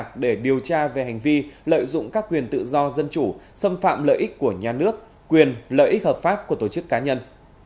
cơ quan cảnh sát điều tra về hành vi lợi dụng các quyền tự do dân chủ xâm phạm lợi ích của nhà nước quyền lợi ích hợp pháp của tổ chức cá nhân